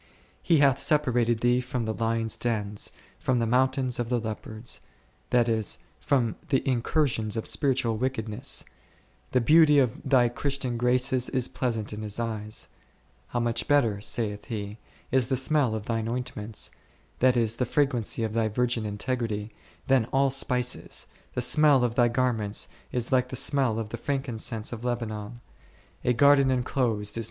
He hath separated thee from the lions dens, from the mountains of the leopards, that is, from the incursions of spiritual wickednesses ; the beauty of thy Christian graces is pleasant in His eyes ; How much better, saith He, is the smell of thine ointments, that is, the fragrancy of thy virgin integrity, than all spices / the smell of thy garments is like the smell of the frankincense of Lebanon, A garden enclosed is c Cant.